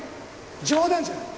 冗談じゃない！